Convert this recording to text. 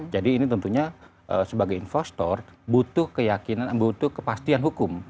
ini tentunya sebagai investor butuh keyakinan butuh kepastian hukum